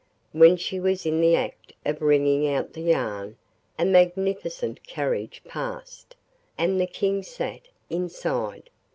When she was in the act of wringing out the yarn a magnificent carriage passed, and the King sat inside.